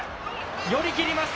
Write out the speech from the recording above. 寄り切りました。